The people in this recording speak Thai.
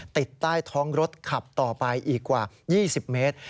ติดใต้ท้องรถขับต่อไปอีกกว่า๒๐เมตร